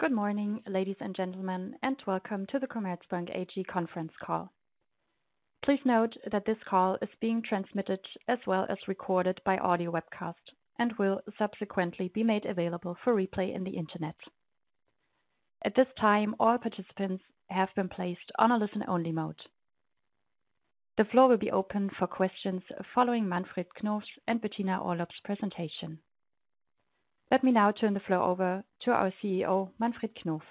Good morning, ladies and gentlemen, and welcome to the Commerzbank AG conference call. Please note that this call is being transmitted as well as recorded by audio webcast and will subsequently be made available for replay on the internet. At this time, all participants have been placed on a listen-only mode. The floor will be open for questions following Manfred Knof and Bettina Orlopp's presentation. Let me now turn the floor over to our CEO, Manfred Knof.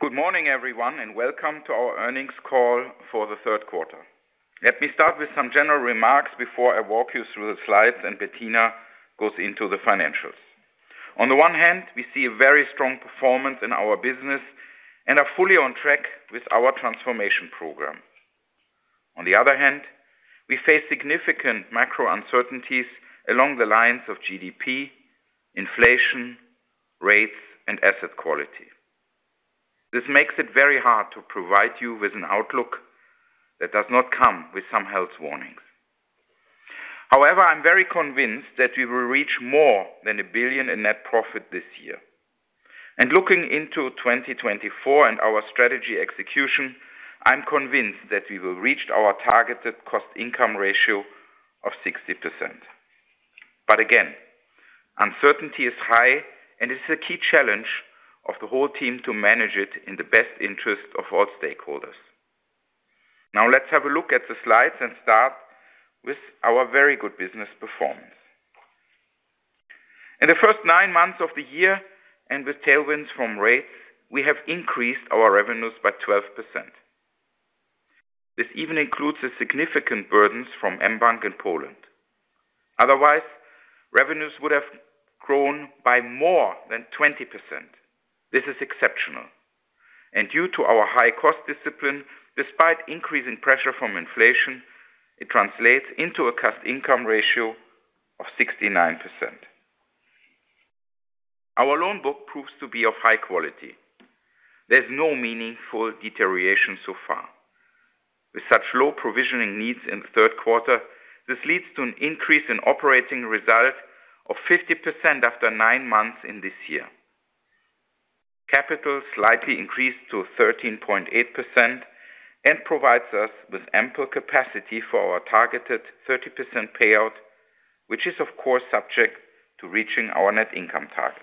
Good morning, everyone, and welcome to our earnings call for the third quarter. Let me start with some general remarks before I walk you through the slides and Bettina goes into the financials. On the one hand, we see a very strong performance in our business and are fully on track with our transformation program. On the other hand, we face significant macro uncertainties along the lines of GDP, inflation, rates, and asset quality. This makes it very hard to provide you with an outlook that does not come with some health warnings. However, I'm very convinced that we will reach more than 1 billion in net profit this year. Looking into 2024 and our strategy execution, I'm convinced that we will reach our targeted cost-income ratio of 60%. Again, uncertainty is high, and it's a key challenge of the whole team to manage it in the best interest of all stakeholders. Now let's have a look at the slides and start with our very good business performance. In the first nine months of the year and with tailwinds from rates, we have increased our revenues by 12%. This even includes the significant burdens from mBank in Poland. Otherwise, revenues would have grown by more than 20%. This is exceptional. Due to our high cost discipline, despite increasing pressure from inflation, it translates into a cost-income ratio of 69%. Our loan book proves to be of high quality. There's no meaningful deterioration so far. With such low provisioning needs in the third quarter, this leads to an increase in operating result of 50% after nine months in this year. Capital slightly increased to 13.8% and provides us with ample capacity for our targeted 30% payout, which is of course, subject to reaching our net income target.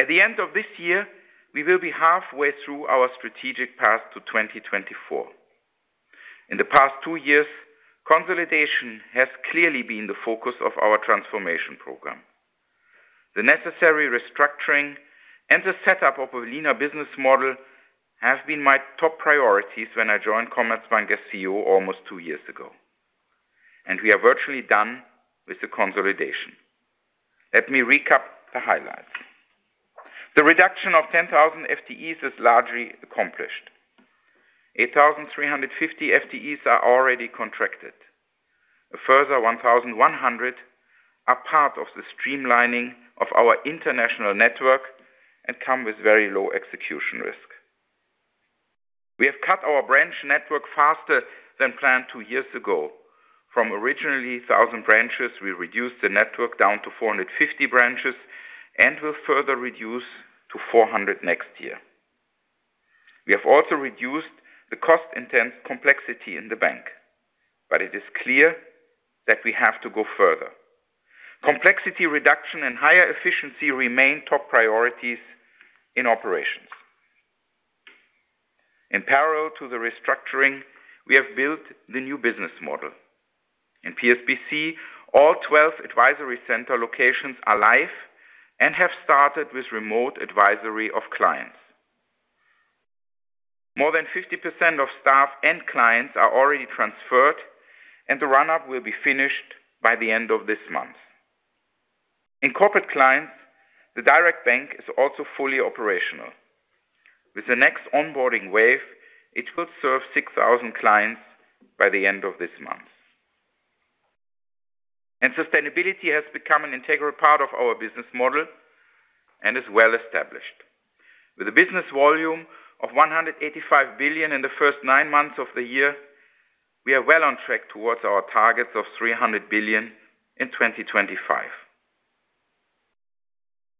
At the end of this year, we will be halfway through our strategic path to 2024. In the past two years, consolidation has clearly been the focus of our transformation program. The necessary restructuring and the setup of a leaner business model have been my top priorities when I joined Commerzbank as CEO almost two years ago. We are virtually done with the consolidation. Let me recap the highlights. The reduction of 10,000 FTEs is largely accomplished. 8,350 FTEs are already contracted. A further 1,100 are part of the streamlining of our international network and come with very low execution risk. We have cut our branch network faster than planned two years ago. From originally 1,000 branches, we reduced the network down to 450 branches and will further reduce to 400 next year. We have also reduced the cost intense complexity in the bank, but it is clear that we have to go further. Complexity reduction and higher efficiency remain top priorities in operations. In parallel to the restructuring, we have built the new business model. In PSBC, all 12 advisory center locations are live and have started with remote advisory of clients. More than 50% of staff and clients are already transferred, and the ramp-up will be finished by the end of this month. In Corporate Clients, the direct bank is also fully operational. With the next onboarding wave, it will serve 6,000 clients by the end of this month. Sustainability has become an integral part of our business model and is well established. With a business volume of 185 billion in the first nine months of the year, we are well on track towards our targets of 300 billion in 2025.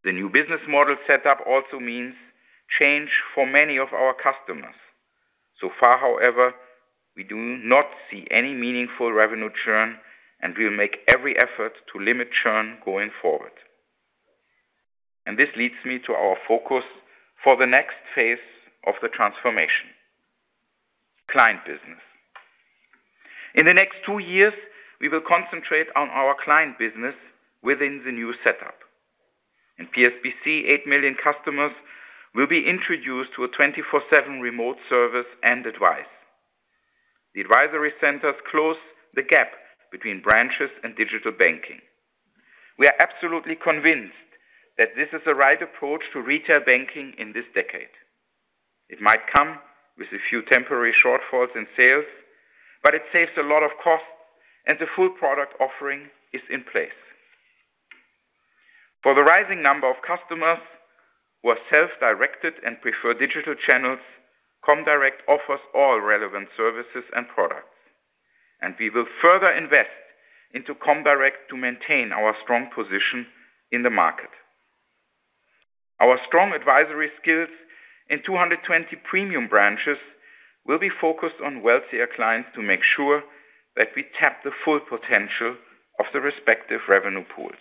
The new business model set up also means change for many of our customers. So far, however, we do not see any meaningful revenue churn, and we will make every effort to limit churn going forward. This leads me to our focus for the next phase of the transformation: client business. In the next two years, we will concentrate on our client business within the new setup. In PSBC, 8 million customers will be introduced to a 24/7 remote service and advice. The advisory centers close the gap between branches and digital banking. We are absolutely convinced that this is the right approach to retail banking in this decade. It might come with a few temporary shortfalls in sales, but it saves a lot of cost, and the full product offering is in place. For the rising number of customers who are self-directed and prefer digital channels, comdirect offers all relevant services and products, and we will further invest into comdirect to maintain our strong position in the market. Our strong advisory skills in 220 premium branches will be focused on wealthier clients to make sure that we tap the full potential of the respective revenue pools.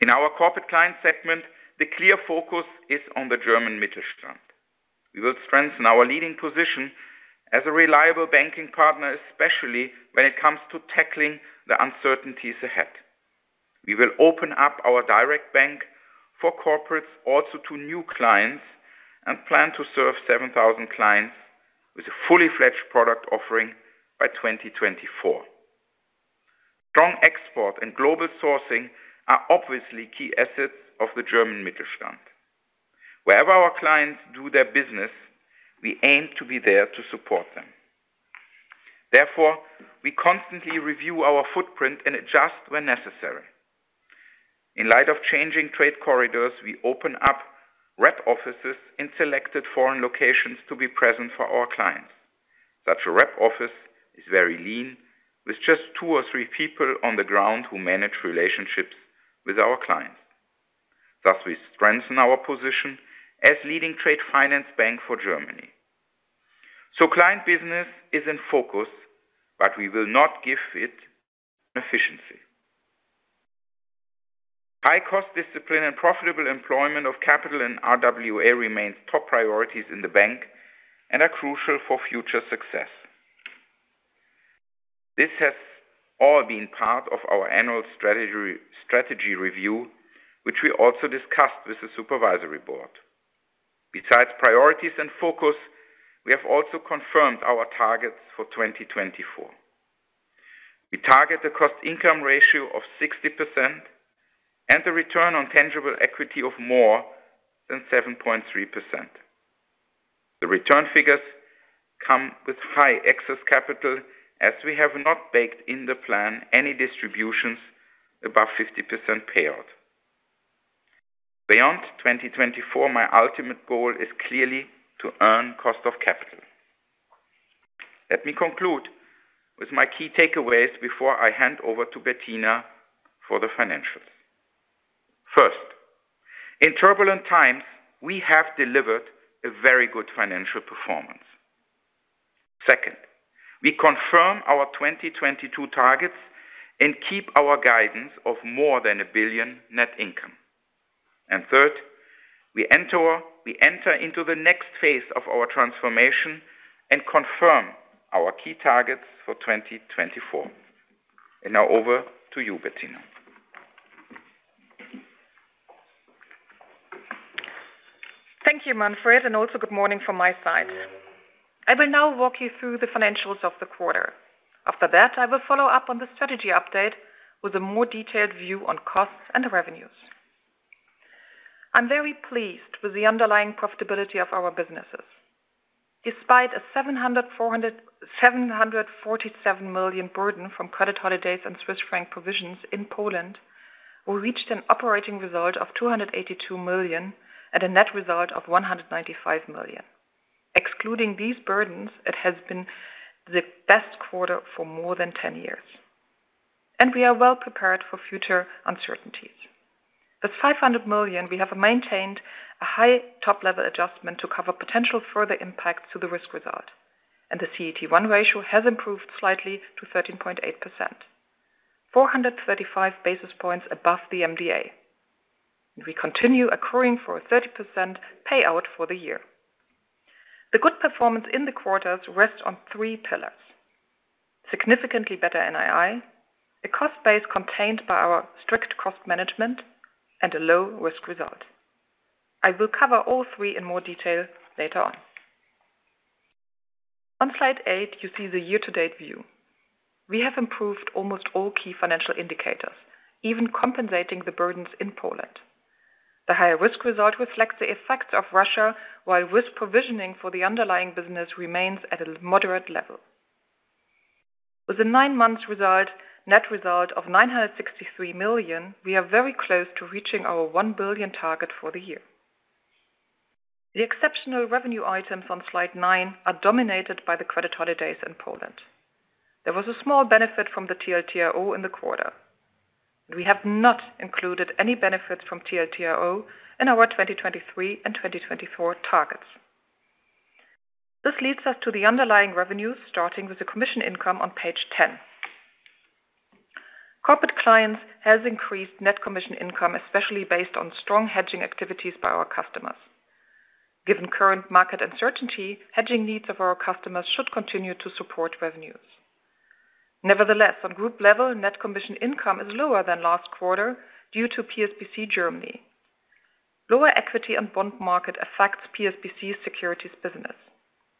In our corporate client segment, the clear focus is on the German Mittelstand. We will strengthen our leading position as a reliable banking partner, especially when it comes to tackling the uncertainties ahead. We will open up our direct bank for corporates also to new clients, and plan to serve 7,000 clients with a fully fledged product offering by 2024. Strong export and global sourcing are obviously key assets of the German Mittelstand. Wherever our clients do their business, we aim to be there to support them. Therefore, we constantly review our footprint and adjust when necessary. In light of changing trade corridors, we open up rep offices in selected foreign locations to be present for our clients. Such a rep office is very lean with just two or three people on the ground who manage relationships with our clients. Thus, we strengthen our position as leading trade finance bank for Germany. Client business is in focus, but we will not give it efficiency. High cost discipline and profitable employment of capital and RWA remains top priorities in the bank and are crucial for future success. This has all been part of our annual strategy review, which we also discussed with the supervisory board. Besides priorities and focus, we have also confirmed our targets for 2024. We target the cost-income ratio of 60% and the return on tangible equity of more than 7.3%. The return figures come with high excess capital as we have not baked in the plan any distributions above 50% payout. Beyond 2024, my ultimate goal is clearly to earn cost of capital. Let me conclude with my key takeaways before I hand over to Bettina for the financials. First, in turbulent times, we have delivered a very good financial performance. Second, we confirm our 2022 targets and keep our guidance of more than 1 billion net income. Third, we enter into the next phase of our transformation and confirm our key targets for 2024. Now over to you, Bettina. Thank you, Manfred, and also good morning from my side. I will now walk you through the financials of the quarter. After that, I will follow up on the strategy update with a more detailed view on costs and revenues. I'm very pleased with the underlying profitability of our businesses. Despite a 747 million burden from credit holidays and Swiss franc provisions in Poland, we reached an operating result of 282 million and a net result of 195 million. Excluding these burdens, it has been the best quarter for more than 10 years, and we are well prepared for future uncertainties. With 500 million, we have maintained a high top-level adjustment to cover potential further impacts to the risk result, and the CET1 ratio has improved slightly to 13.8%, 435 basis points above the MDA. We continue accruing for a 30% payout for the year. The good performance in the quarters rests on three pillars. Significantly better NII, a cost base contained by our strict cost management, and a low risk result. I will cover all three in more detail later on. On slide eight, you see the year-to-date view. We have improved almost all key financial indicators, even compensating the burdens in Poland. The higher risk result reflects the effects of Russia, while risk provisioning for the underlying business remains at a moderate level. With a nine-month result, net result of 963 million, we are very close to reaching our 1 billion target for the year. The exceptional revenue items on slide nine are dominated by the credit holidays in Poland. There was a small benefit from the TLTRO in the quarter. We have not included any benefits from TLTRO in our 2023 and 2024 targets. This leads us to the underlying revenues, starting with the commission income on page 10. Corporate Clients has increased net commission income, especially based on strong hedging activities by our customers. Given current market uncertainty, hedging needs of our customers should continue to support revenues. Nevertheless, on group level, net commission income is lower than last quarter due to PSBC Germany. Lower equity and bond market affects PSBC securities business.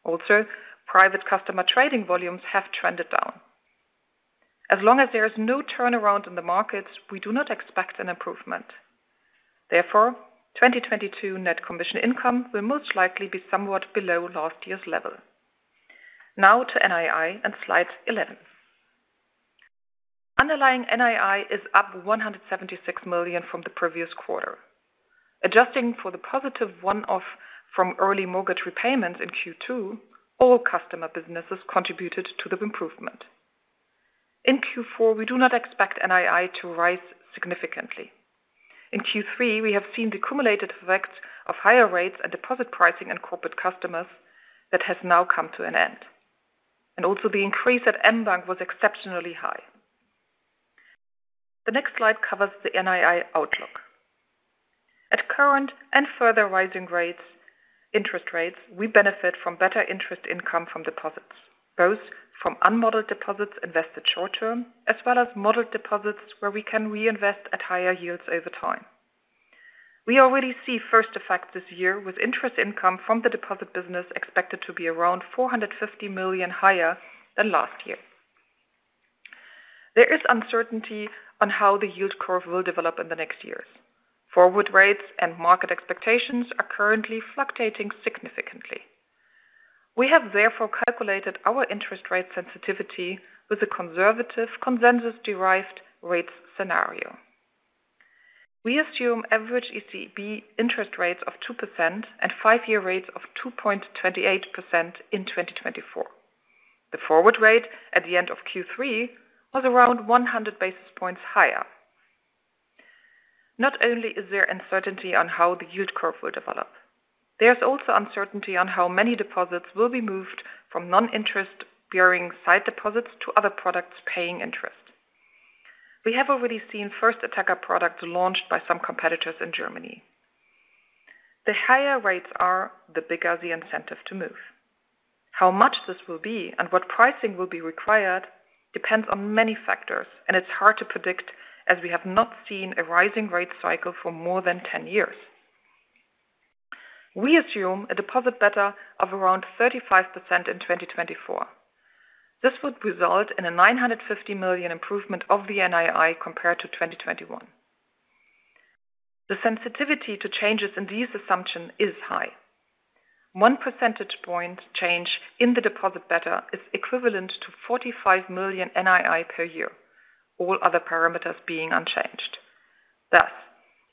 Also, private customer trading volumes have trended down. As long as there is no turnaround in the markets, we do not expect an improvement. Therefore, 2022 net commission income will most likely be somewhat below last year's level. Now to NII on slide 11. Underlying NII is up 176 million from the previous quarter. Adjusting for the positive one-off from early mortgage repayments in Q2, all customer businesses contributed to the improvement. In Q4, we do not expect NII to rise significantly. In Q3, we have seen the cumulative effects of higher rates and deposit pricing and corporate customers that has now come to an end. The increase at mBank was exceptionally high. The next slide covers the NII outlook. At current and further rising rates, interest rates, we benefit from better interest income from deposits, both from unmodeled deposits invested short-term as well as modeled deposits where we can reinvest at higher yields over time. We already see first effect this year with interest income from the deposit business expected to be around 450 million higher than last year. There is uncertainty on how the yield curve will develop in the next years. Forward rates and market expectations are currently fluctuating significantly. We have therefore calculated our interest rate sensitivity with a conservative consensus-derived rate scenario. We assume average ECB interest rates of 2% and five-year rates of 2.28 in 2024. The forward rate at the end of Q3 was around 100 basis points higher. Not only is there uncertainty on how the yield curve will develop, there's also uncertainty on how many deposits will be moved from non-interest-bearing sight deposits to other products paying interest. We have already seen first attractive products launched by some competitors in Germany. The higher rates are, the bigger the incentive to move. How much this will be and what pricing will be required depends on many factors, and it's hard to predict as we have not seen a rising rate cycle for more than 10 years. We assume a deposit beta of around 35% in 2024. This would result in a 950 million improvement of the NII compared to 2021. The sensitivity to changes in these assumptions is high. One percentage point change in the deposit beta is equivalent to 45 million NII per year, all other parameters being unchanged. Thus,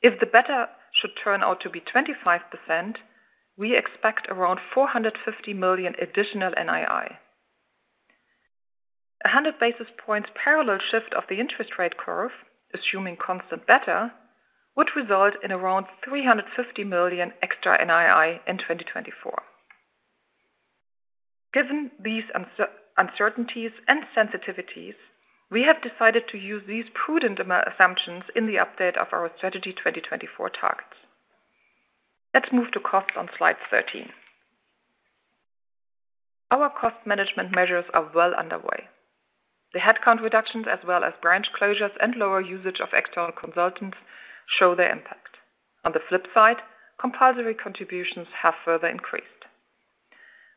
if the beta should turn out to be 25%, we expect around 450 million additional NII. 100 basis points parallel shift of the interest rate curve, assuming constant beta, would result in around 350 million extra NII in 2024. Given these uncertainties and sensitivities, we have decided to use these prudent assumptions in the update of our Strategy 2024 targets. Let's move to cost on slide 13. Our cost management measures are well underway. The headcount reductions as well as branch closures and lower usage of external consultants show their impact. On the flip side, compulsory contributions have further increased.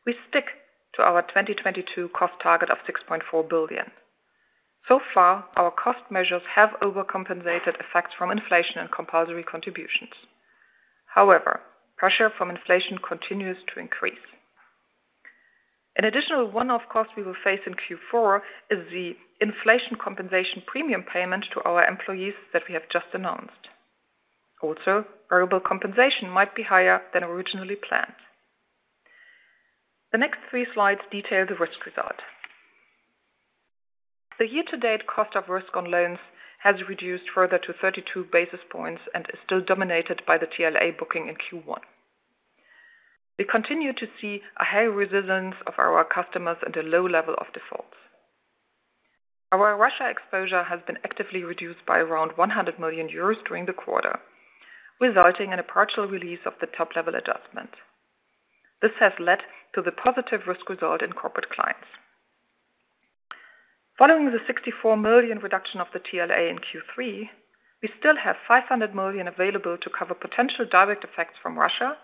We stick to our 2022 cost target of 6.4 billion. So far, our cost measures have overcompensated effects from inflation and compulsory contributions. However, pressure from inflation continues to increase. An additional one-off cost we will face in Q4 is the inflation compensation premium payment to our employees that we have just announced. Also, variable compensation might be higher than originally planned. The next three slides detail the risk result. The year-to-date cost of risk on loans has reduced further to 32 basis points and is still dominated by the TLA booking in Q1. We continue to see a high resilience of our customers at a low level of defaults. Our Russia exposure has been actively reduced by around 100 million euros during the quarter, resulting in a partial release of the top-level adjustment. This has led to the positive risk result in Corporate Clients. Following the 64 million reduction of the TLA in Q3, we still have 500 million available to cover potential direct effects from Russia,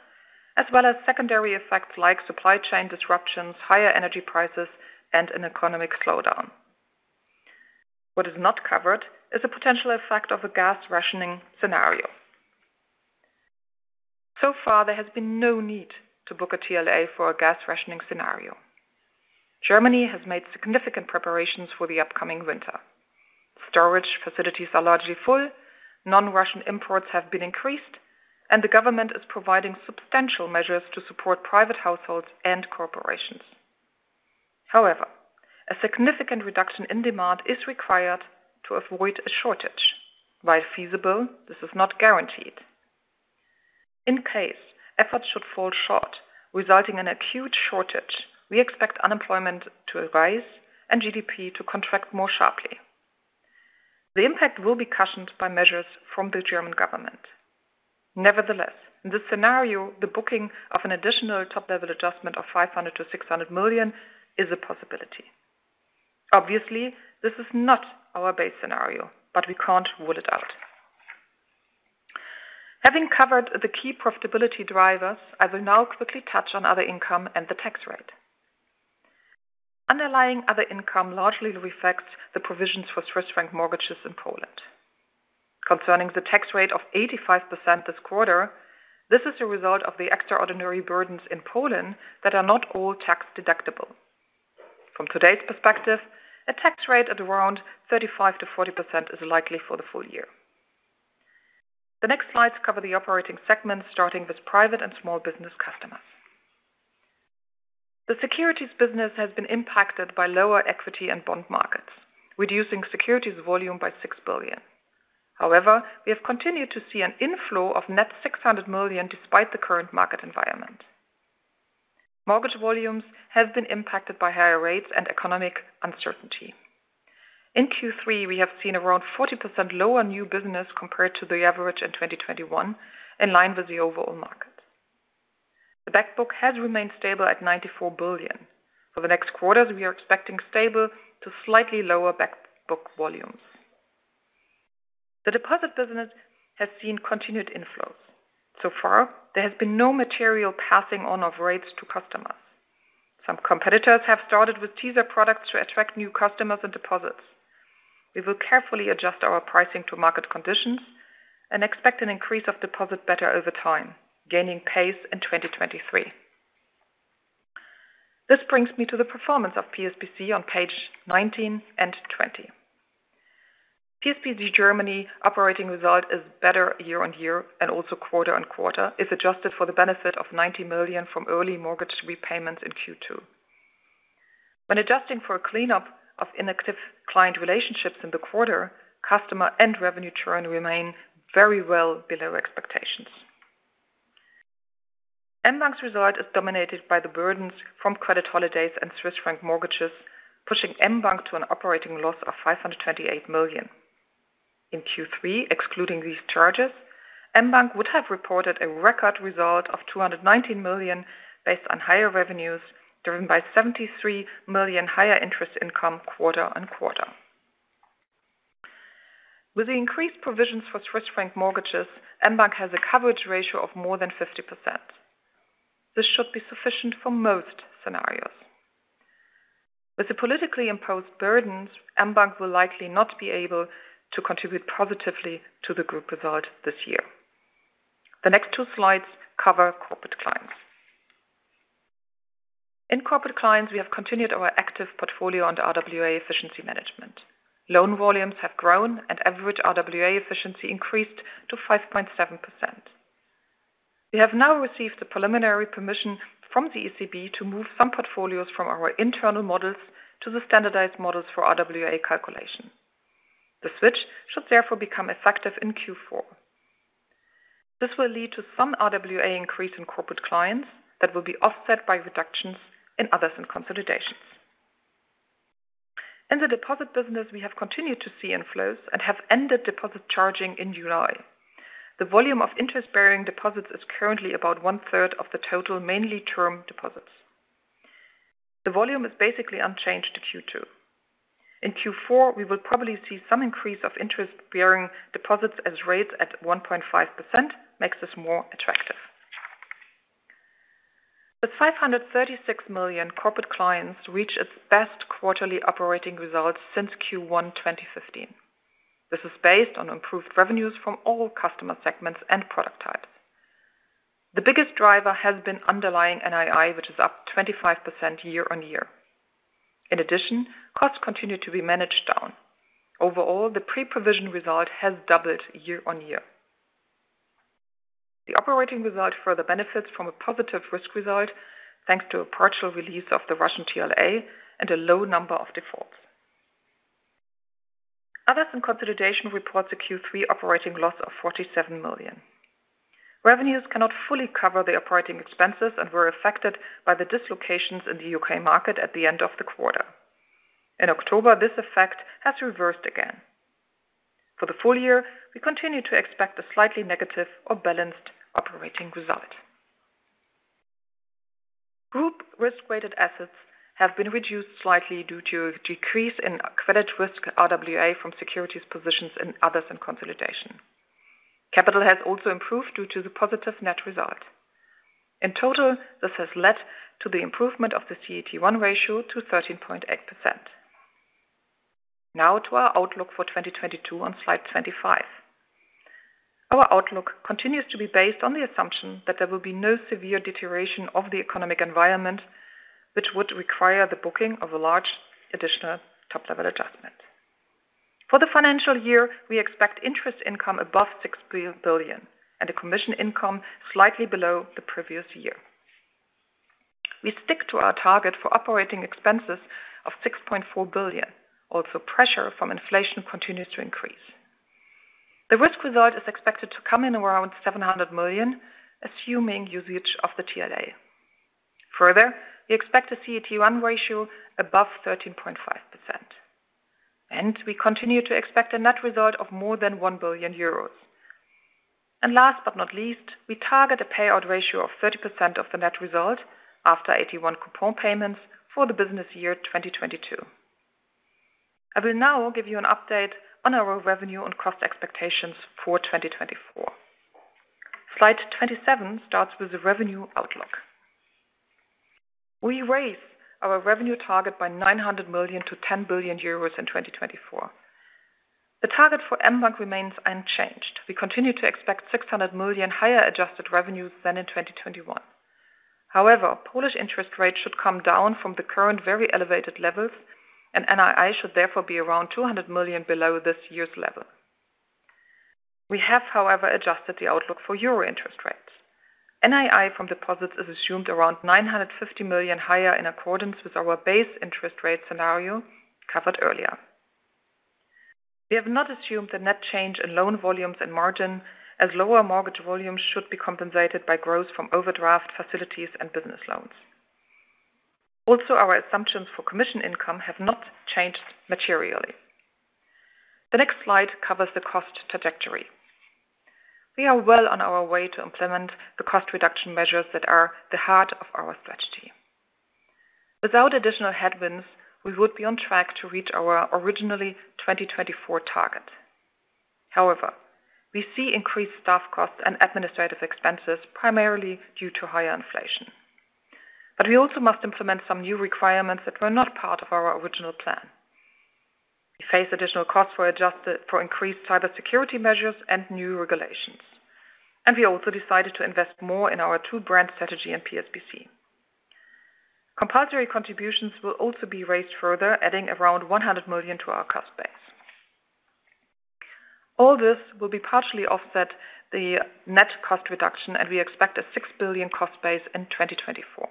as well as secondary effects like supply chain disruptions, higher energy prices, and an economic slowdown. What is not covered is the potential effect of a gas rationing scenario. So far, there has been no need to book a TLA for a gas rationing scenario. Germany has made significant preparations for the upcoming winter. Storage facilities are largely full, non-Russian imports have been increased, and the government is providing substantial measures to support private households and corporations. However, a significant reduction in demand is required to avoid a shortage. While feasible, this is not guaranteed. In case efforts should fall short, resulting in acute shortage, we expect unemployment to rise and GDP to contract more sharply. The impact will be cushioned by measures from the German government. Nevertheless, in this scenario, the booking of an additional top-level adjustment of 500 million-600 million is a possibility. Obviously, this is not our base scenario, but we can't rule it out. Having covered the key profitability drivers, I will now quickly touch on other income and the tax rate. Underlying other income largely reflects the provisions for Swiss franc mortgages in Poland. Concerning the tax rate of 85% this quarter, this is a result of the extraordinary burdens in Poland that are not all tax deductible. From today's perspective, a tax rate at around 35%-40% is likely for the full year. The next slides cover the operating segments starting with private and small business customers. The securities business has been impacted by lower equity and bond markets, reducing securities volume by 6 billion. However, we have continued to see an inflow of net 600 million despite the current market environment. Mortgage volumes have been impacted by higher rates and economic uncertainty. In Q3, we have seen around 40% lower new business compared to the average in 2021, in line with the overall market. The back book has remained stable at 94 billion. For the next quarters, we are expecting stable to slightly lower back book volumes. The deposit business has seen continued inflows. So far, there has been no material passing on of rates to customers. Some competitors have started with teaser products to attract new customers and deposits. We will carefully adjust our pricing to market conditions and expect an increase of deposit beta over time, gaining pace in 2023. This brings me to the performance of PSBC on page 19 and 20. PSBC Germany operating result is better year-on-year and also quarter-on-quarter if adjusted for the benefit of 90 million from early mortgage repayments in Q2. When adjusting for a cleanup of inactive client relationships in the quarter, customer and revenue churn remain very well below expectations. mBank's result is dominated by the burdens from credit holidays and Swiss franc mortgages, pushing mBank to an operating loss of 528 million. In Q3, excluding these charges, mBank would have reported a record result of 219 million based on higher revenues driven by 73 million higher interest income quarter-on-quarter. With the increased provisions for Swiss franc mortgages, mBank has a coverage ratio of more than 50%. This should be sufficient for most scenarios. With the politically imposed burdens, mBank will likely not be able to contribute positively to the group result this year. The next two slides cover Corporate Clients. In Corporate Clients, we have continued our active portfolio under RWA efficiency management. Loan volumes have grown and average RWA efficiency increased to 5.7%. We have now received the preliminary permission from the ECB to move some portfolios from our internal models to the standardized models for RWA calculation. The switch should therefore become effective in Q4. This will lead to some RWA increase in Corporate Clients that will be offset by reductions in others and consolidations. In the deposit business, we have continued to see inflows and have ended deposit charging in July. The volume of interest-bearing deposits is currently about one-third of the total mainly term deposits. The volume is basically unchanged to Q2. In Q4, we will probably see some increase of interest-bearing deposits as rates at 1.5% makes this more attractive. With 536 million Corporate Clients reach its best quarterly operating results since Q1 2015. This is based on improved revenues from all customer segments and product types. The biggest driver has been underlying NII, which is up 25% year-on-year. In addition, costs continue to be managed down. Overall, the pre-provision result has doubled year-on-year. The operating result further benefits from a positive risk result, thanks to a partial release of the Russian TLA and a low number of defaults. Others in consolidation report a Q3 operating loss of 47 million. Revenues cannot fully cover the operating expenses and were affected by the dislocations in the UK market at the end of the quarter. In October, this effect has reversed again. For the full year, we continue to expect a slightly negative or balanced operating result. Group risk-weighted assets have been reduced slightly due to a decrease in credit risk RWA from securities positions in others in consolidation. Capital has also improved due to the positive net result. In total, this has led to the improvement of the CET1 ratio to 13.8%. Now to our outlook for 2022 on slide 25. Our outlook continues to be based on the assumption that there will be no severe deterioration of the economic environment, which would require the booking of a large additional top-level adjustment. For the financial year, we expect interest income above 6 billion and a commission income slightly below the previous year. We stick to our target for operating expenses of 6.4 billion, although pressure from inflation continues to increase. The risk result is expected to come in around 700 million, assuming usage of the TLA. Further, we expect a CET1 ratio above 13.5%, and we continue to expect a net result of more than 1 billion euros. Last but not least, we target a payout ratio of 30% of the net result after 81 coupon payments for the business year 2022. I will now give you an update on our revenue and cost expectations for 2024. Slide 27 starts with the revenue outlook. We raise our revenue target by 900 million to 10 billion euros in 2024. The target for mBank remains unchanged. We continue to expect 600 million higher adjusted revenues than in 2021. However, Polish interest rates should come down from the current very elevated levels and NII should therefore be around 200 million below this year's level. We have, however, adjusted the outlook for euro interest rates. NII from deposits is assumed around 950 million higher in accordance with our base interest rate scenario covered earlier. We have not assumed a net change in loan volumes and margin as lower mortgage volumes should be compensated by growth from overdraft facilities and business loans. Also, our assumptions for commission income have not changed materially. The next slide covers the cost trajectory. We are well on our way to implement the cost reduction measures that are the heart of our strategy. Without additional headwinds, we would be on track to reach our originally 2024 target. However, we see increased staff costs and administrative expenses primarily due to higher inflation. We also must implement some new requirements that were not part of our original plan. We face additional costs for increased cybersecurity measures and new regulations. We also decided to invest more in our two-brand strategy in PSBC. Compulsory contributions will also be raised further, adding around 100 million to our cost base. All this will be partially offset the net cost reduction, and we expect a 6 billion cost base in 2024.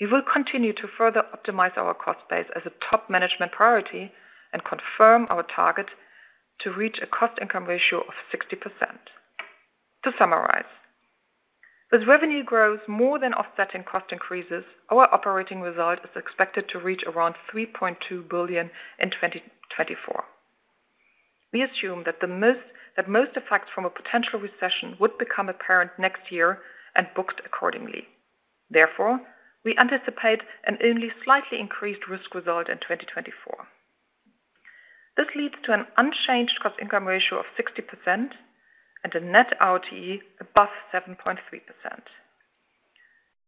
We will continue to further optimize our cost base as a top management priority and confirm our target to reach a cost-income ratio of 60%. To summarize, with revenue growth more than offsetting cost increases, our operating result is expected to reach around 3.2 billion in 2024. We assume that most effects from a potential recession would become apparent next year and booked accordingly. Therefore, we anticipate an only slightly increased risk result in 2024. This leads to an unchanged cost-income ratio of 60% and a net ROE above 7.3%.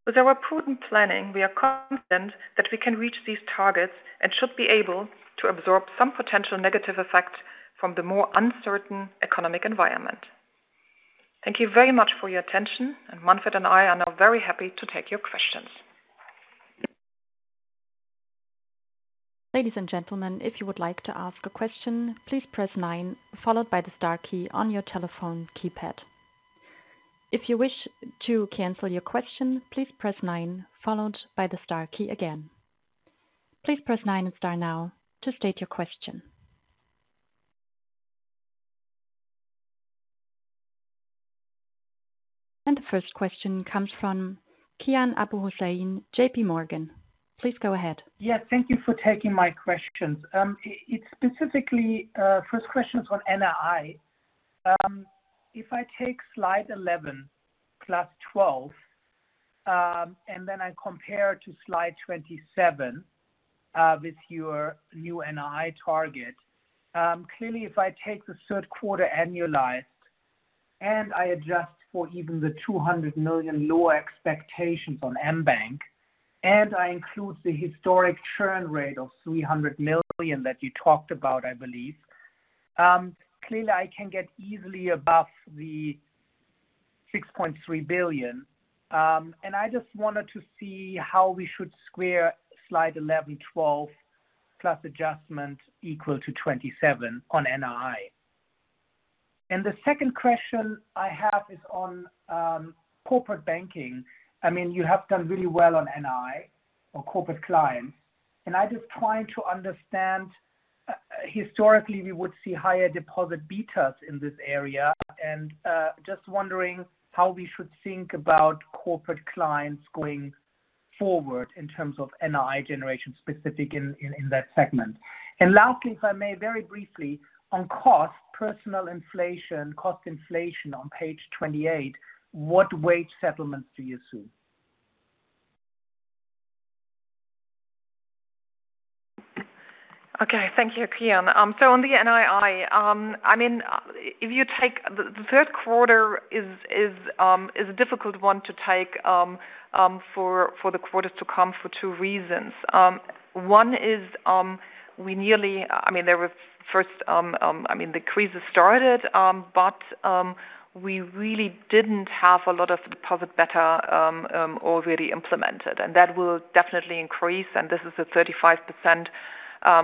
With our prudent planning, we are confident that we can reach these targets and should be able to absorb some potential negative effects from the more uncertain economic environment. Thank you very much for your attention, and Manfred and I are now very happy to take your questions. Ladies and gentlemen, if you would like to ask a question, please press nine followed by the star key on your telephone keypad. If you wish to cancel your question, please press nine followed by the star key again. Please press nine and star now to state your question. The first question comes from Kian Abouhossein, JPMorgan. Please go ahead. Yes, thank you for taking my questions. It's specifically, first question is on NII. If I take slide 11 plus 12, and then I compare to slide 27, with your new NII target, clearly, if I take the third quarter annualized and I adjust for even the 200 million lower expectations on mBank, and I include the historic churn rate of 300 million that you talked about, I believe, clearly I can get easily above the 6.3 billion. And I just wanted to see how we should square slide 11, 12 plus adjustment equal to 27 on NII. The second question I have is on corporate banking. I mean, you have done really well on NII on Corporate Clients, and I'm just trying to understand, historically, we would see higher deposit betas in this area and, just wondering how we should think about Corporate Clients going forward in terms of NII generation specific in that segment. Lastly, if I may, very briefly on cost, personnel inflation, cost inflation on page 28, what wage settlements do you assume? Okay. Thank you, Kian. On the NII, I mean, if you take the third quarter is a difficult one to take for the quarters to come for two reasons. One is, I mean, there were first decreases started, but we really didn't have a lot of deposit beta already implemented, and that will definitely increase. This is the 35%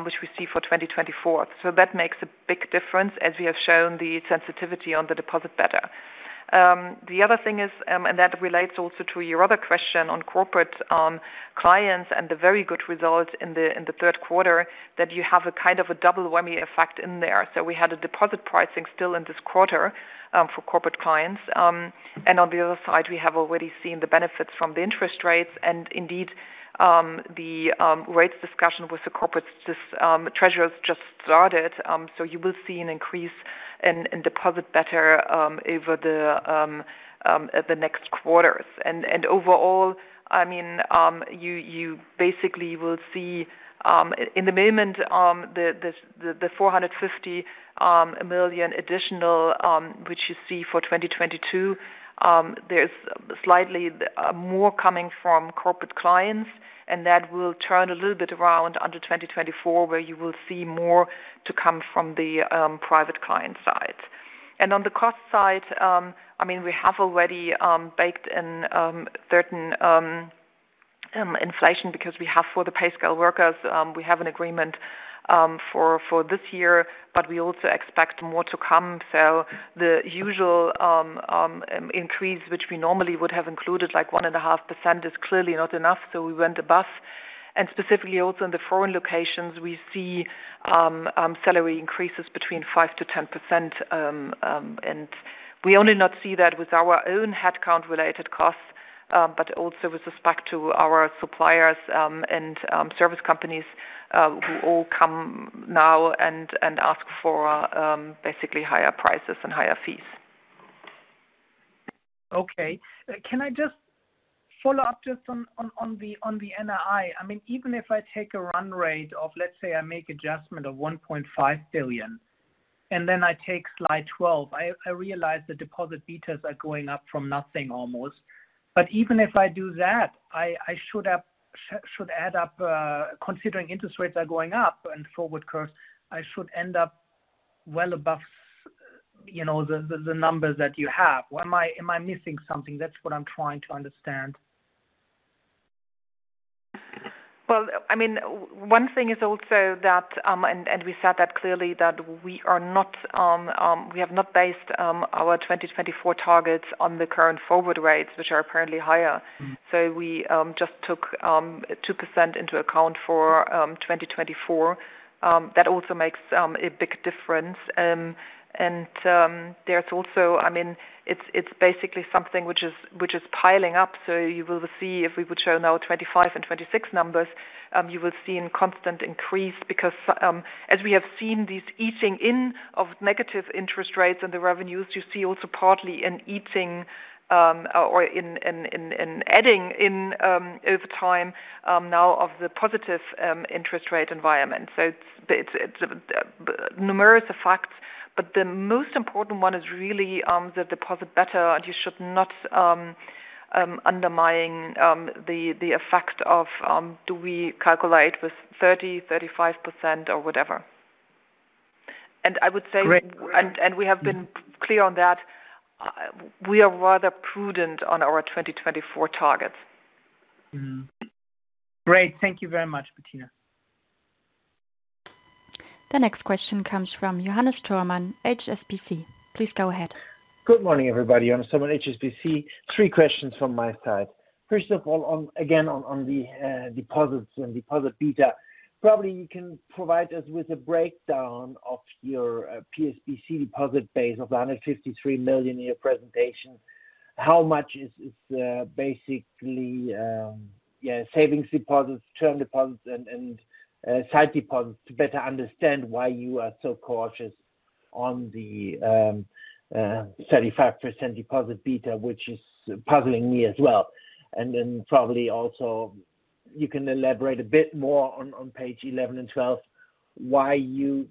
which we see for 2024. That makes a big difference as we have shown the sensitivity on the deposit beta. The other thing is, and that relates also to your other question on corporate clients and the very good results in the third quarter that you have a kind of a double whammy effect in there. We had a deposit pricing still in this quarter for corporate clients. On the other side, we have already seen the benefits from the interest rates and indeed, the rates discussion with the corporate treasurers just started. You will see an increase in deposit beta over the next quarters. Overall, I mean, you basically will see, in the moment, the 450 million additional, which you see for 2022, there's slightly more coming from corporate clients, and that will turn a little bit around in 2024, where you will see more to come from the private client side. On the cost side, I mean, we have already baked in certain inflation because we have for the pay scale workers we have an agreement for this year, but we also expect more to come. The usual increase, which we normally would have included, like 1.5%, is clearly not enough. We went above and specifically also in the foreign locations, we see salary increases between 5%-10%. And we not only see that with our own headcount related costs, but also with respect to our suppliers and service companies who all come now and ask for basically higher prices and higher fees. Okay. Can I just follow up just on the NII? I mean, even if I take a run rate of, let's say I make adjustment of 1.5 billion and then I take slide 12. I realize the deposit betas are going up from nothing almost. Even if I do that, I should add up, considering interest rates are going up and forward curves, I should end up well above, you know, the numbers that you have. Am I missing something? That's what I'm trying to understand. Well, I mean, one thing is also that, and we said that clearly, that we have not based our 2024 targets on the current forward rates, which are apparently higher. Mm. We just took 2% into account for 2024. That also makes a big difference. There's also. I mean, it's basically something which is piling up. You will see if we would show now 25 and 26 numbers, you will see a constant increase because as we have seen this easing out of negative interest rates and the revenues, you see also partly an easing or adding up over time now of the positive interest rate environment. It's numerous effects, but the most important one is really the deposit beta, and you should not underestimate the effect of do we calculate with 30%, 35% or whatever. I would say. Great. We have been clear on that. We are rather prudent on our 2024 targets. Great. Thank you very much, Bettina. The next question comes from Johannes Thormann, HSBC. Please go ahead. Good morning, everybody. Johannes Thormann, HSBC. Three questions from my side. First of all, on the deposits and deposit beta. Probably you can provide us with a breakdown of your PSBC deposit base of 153 million in your presentation. How much is basically savings deposits, term deposits and sight deposits to better understand why you are so cautious on the 35% deposit beta, which is puzzling me as well. Probably also you can elaborate a bit more on page 11 and 12 why you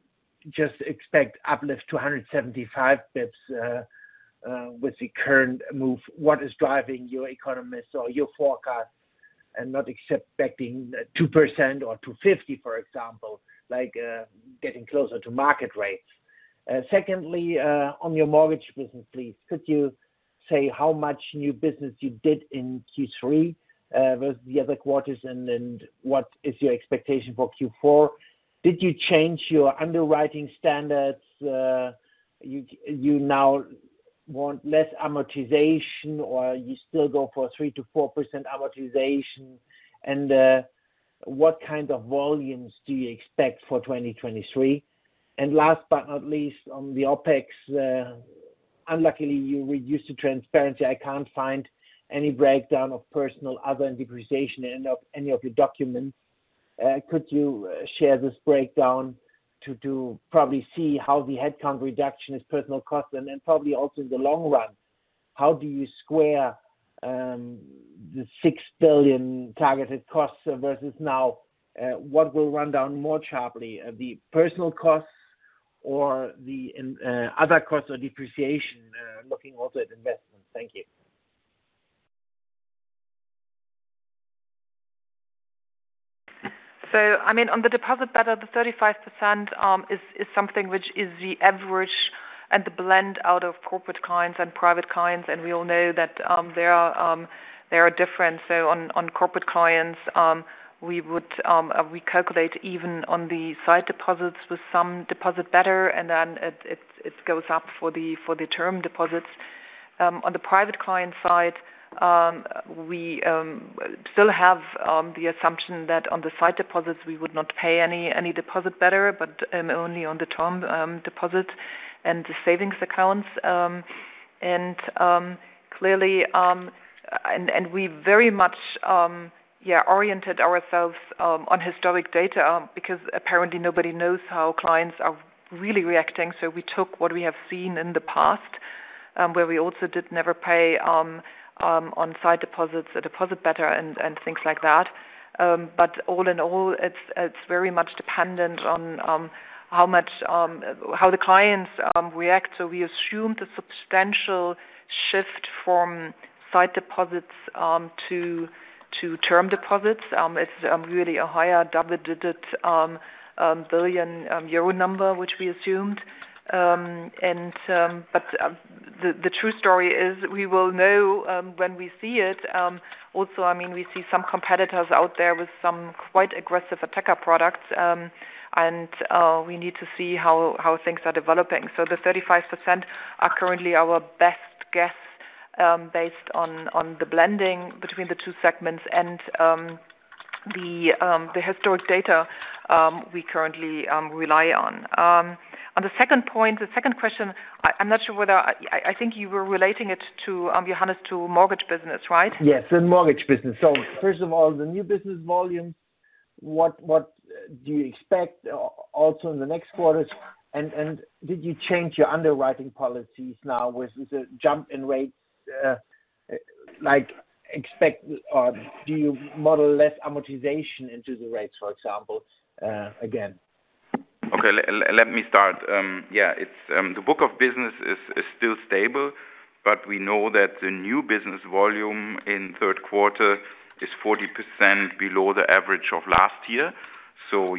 just expect uplift to 175 pips with the current move. What is driving your economists or your forecast and not expecting 2% or 250, for example, like getting closer to market rates? Secondly, on your mortgage business, please, could you say how much new business you did in Q3 versus the other quarters and what is your expectation for Q4? Did you change your underwriting standards? You now want less amortization, or you still go for 3%-4% amortization? What kind of volumes do you expect for 2023? Last but not least, on the OpEx, unluckily you reduced the transparency. I can't find any breakdown of personnel, other, depreciation in any of your documents. Could you share this breakdown to probably see how the headcount reduction is personnel cost? Probably also in the long run, how do you square the 6 billion targeted costs versus now, what will run down more sharply, the personnel costs or the other costs or depreciation, looking also at investments? Thank you. I mean, on the deposit beta, the 35%, is something which is the average and the blend of Corporate Clients and private clients. We all know that there are differences. On Corporate Clients, we calculate even on the sight deposits with some deposit beta, and then it goes up for the term deposits. On the private client side, we still have the assumption that on the sight deposits we would not pay any deposit beta, but only on the term deposits and the savings accounts. Clearly, we very much oriented ourselves on historic data, because apparently nobody knows how clients are really reacting. We took what we have seen in the past, where we also did never pay on sight deposits, a deposit beta and things like that. All in all, it's very much dependent on how much, how the clients react. We assume the substantial shift from sight deposits to term deposits is really a higher double-digit billion EUR number, which we assumed. The true story is we will know when we see it. Also, I mean, we see some competitors out there with some quite aggressive attractive products. We need to see how things are developing. The 35% are currently our best guess, based on the blending between the two segments and the historic data we currently rely on. On the second point, the second question, I think you were relating it to Johannes, to mortgage business, right? Yes. The mortgage business. First of all, the new business volume, what do you expect also in the next quarters? Did you change your underwriting policies now with the jump in rates, like expect or do you model less amortization into the rates, for example, again? Okay. Let me start. Yeah, it's the book of business is still stable, but we know that the new business volume in third quarter is 40% below the average of last year.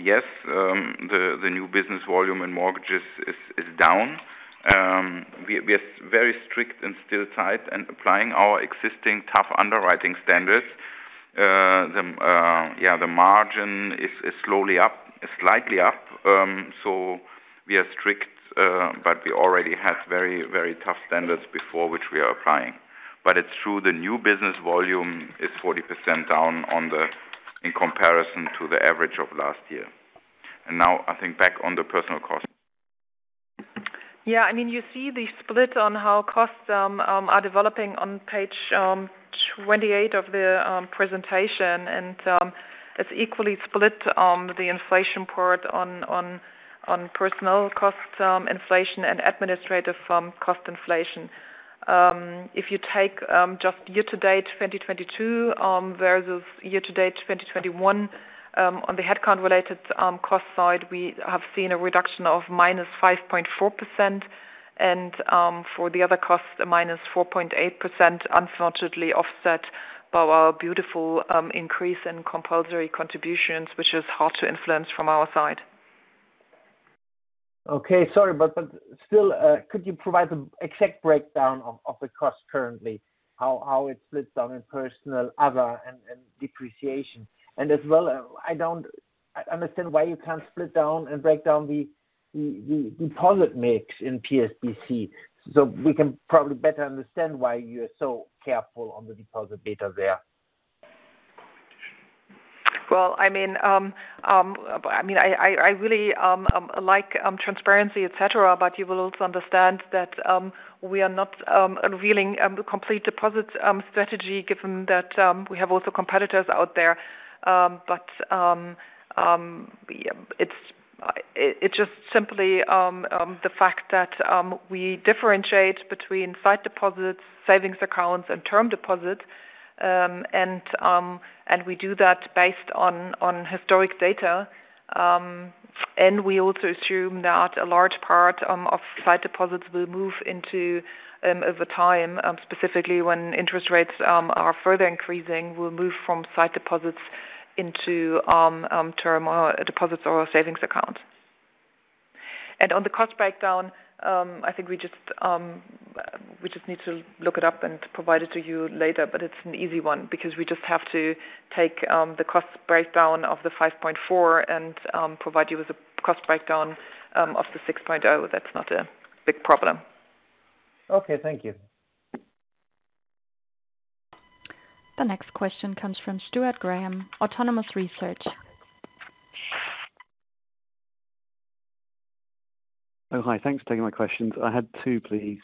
Yes, the new business volume in mortgages is down. We are very strict and still tight and applying our existing tough underwriting standards. Yeah, the margin is slowly up, slightly up. We are strict, but we already had very, very tough standards before which we are applying. It's true, the new business volume is 40% down in comparison to the average of last year. Now I think back on the personnel costs. Yeah. I mean, you see the split on how costs are developing on page 28 of the presentation. It's equally split, the inflation part on personal costs, inflation and administrative cost inflation. If you take just year to date, 2022 versus year to date, 2021 on the headcount related cost side, we have seen a reduction of -5.4%. For the other costs, -4.8% unfortunately offset by our beautiful increase in compulsory contributions, which is hard to influence from our side. Okay. Sorry, but still, could you provide the exact breakdown of the cost currently, how it splits down in personnel, other, and depreciation? As well, I don't understand why you can't split down and break down the deposit mix in PSBC. We can probably better understand why you're so careful on the deposit beta there. Well, I mean, I really like transparency, et cetera, but you will also understand that we are not revealing the complete deposit strategy given that we have also competitors out there. It's just simply the fact that we differentiate between sight deposits, savings accounts, and term deposits. We do that based on historic data. We also assume that a large part of sight deposits will move over time, specifically when interest rates are further increasing, from sight deposits into term deposits or savings accounts. On the cost breakdown, I think we just need to look it up and provide it to you later, but it's an easy one because we just have to take the cost breakdown of the 5.4 and provide you with a cost breakdown of the 6.0. That's not a big problem. Okay. Thank you. The next question comes from Stefan Stalmann, Autonomous Research. Oh, hi. Thanks for taking my questions. I had two, please.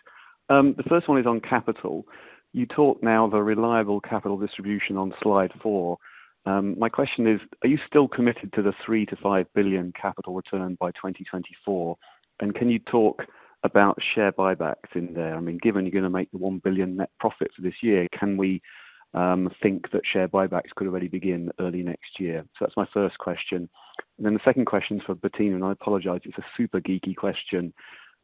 The first one is on capital. You talk now of a reliable capital distribution on slide four. My question is, are you still committed to the 3 billion-5 billion capital return by 2024? Can you talk about share buybacks in there? I mean, given you're gonna make the 1 billion net profits this year, can we think that share buybacks could already begin early next year? That's my first question. The second question is for Bettina, and I apologize, it's a super geeky question.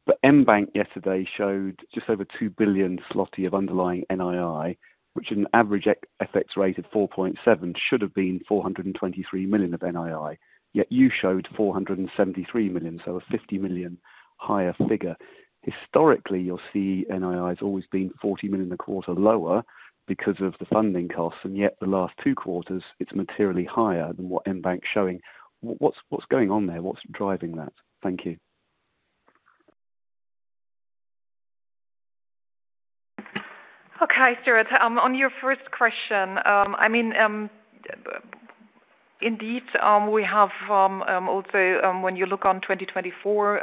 But mBank yesterday showed just over 2 billion zloty of underlying NII, which at an average ex-FX rate of 4.7 should have been 423 million of NII, yet you showed 473 million, so a 50 million higher figure. Historically, you'll see NII's always been 40 million a quarter lower because of the funding costs, and yet the last two quarters it's materially higher than what mBank's showing. What's going on there? What's driving that? Thank you. Okay, Stuart. On your first question, I mean, indeed, we have also, when you look on 2024,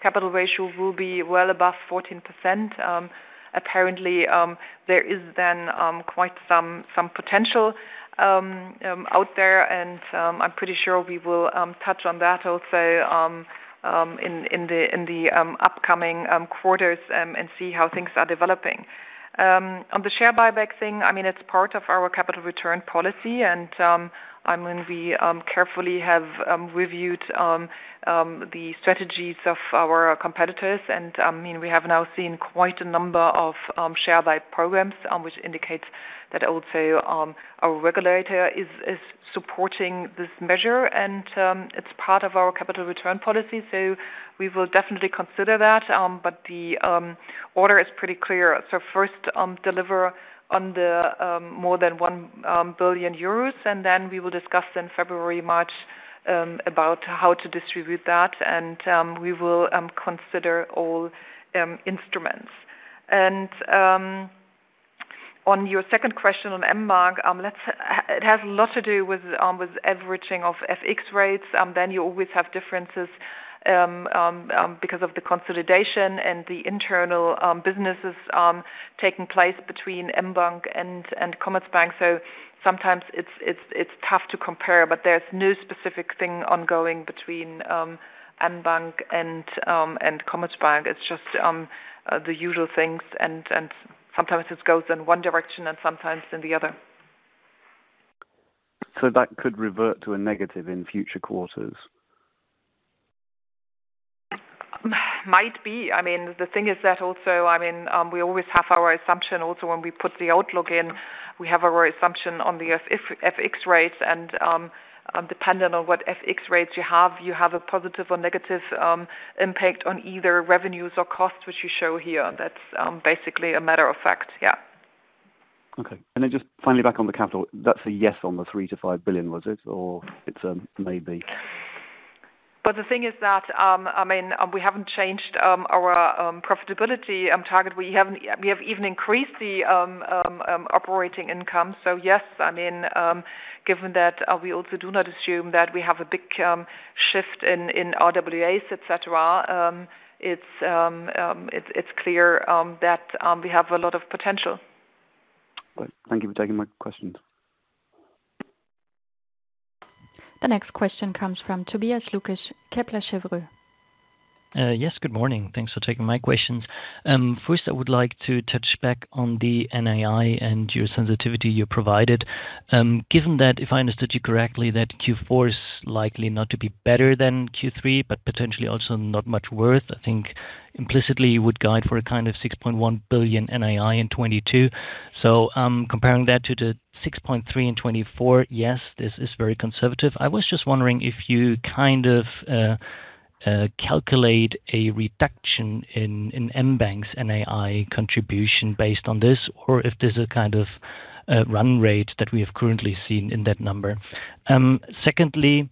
capital ratios will be well above 14%. Apparently, there is then quite some potential out there, and I'm pretty sure we will touch on that also in the upcoming quarters and see how things are developing. On the share buyback thing, I mean, it's part of our capital return policy and, I mean we carefully have reviewed the strategies of our competitors. I mean, we have now seen quite a number of share buy programs, which indicates that also our regulator is supporting this measure and, it's part of our capital return policy. We will definitely consider that. The order is pretty clear. First, deliver on the more than 1 billion euros, and then we will discuss in February, March, about how to distribute that and we will consider all instruments. On your second question on mBank, it has a lot to do with averaging of FX rates, then you always have differences because of the consolidation and the internal businesses taking place between mBank and Commerzbank. Sometimes it's tough to compare, but there's no specific thing ongoing between mBank and Commerzbank. It's just the usual things and sometimes it goes in one direction and sometimes in the other. That could revert to a negative in future quarters. Might be. I mean, the thing is that also, I mean, we always have our assumption also when we put the outlook in, we have our assumption on the FX rates and, dependent on what FX rates you have, you have a positive or negative, impact on either revenues or costs, which you show here. That's, basically a matter of fact. Yeah. Okay. Just finally back on the capital. That's a yes on the 3 billion-5 billion, was it, or it's a maybe? The thing is that, I mean, we haven't changed our profitability and target. We have even increased the operating income. Yes, I mean, given that, we also do not assume that we have a big shift in RWAs, et cetera, it's clear that we have a lot of potential. Great. Thank you for taking my questions. The next question comes from Tobias Lukesch, Kepler Cheuvreux. Yes, good morning. Thanks for taking my questions. First, I would like to touch back on the NII and geosensitivity you provided. Given that, if I understood you correctly, that Q4 is likely not to be better than Q3, but potentially also not much worse, I think implicitly you would guide for a kind of 6.1 billion NII in 2022. Comparing that to the 6.3 billion in 2024, this is very conservative. I was just wondering if you kind of calculate a reduction in mBank's NII contribution based on this, or if this is a kind of run rate that we have currently seen in that number. Secondly,